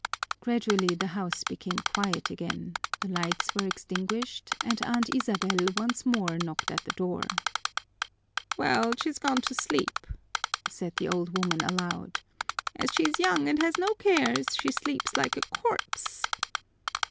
Gradually the house became quiet again, the lights were extinguished, and Aunt Isabel once more knocked at the door. "Well, she's gone to sleep," said the old woman, aloud. "As she's young and has no cares, she sleeps like a corpse."